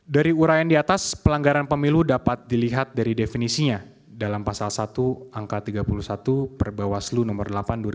dari urayan di atas pelanggaran pemilu dapat dilihat dari definisinya dalam pasal satu angka tiga puluh satu perbawaslu nomor delapan dua ribu tujuh belas